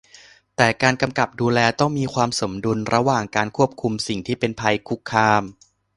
แต่การกำกับดูแลต้องมีความสมดุลระหว่างการควบคุมสิ่งที่เป็นภัยคุกคาม